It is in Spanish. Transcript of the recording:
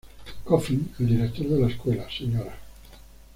Coffin, el director de la escuela, Sra.